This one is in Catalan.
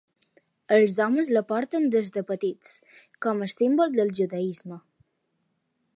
Els homes la porten des de petits, com a símbol del judaisme.